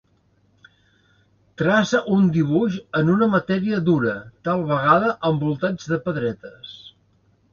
Traça un dibuix en una matèria dura, tal vegada envoltats de pedretes.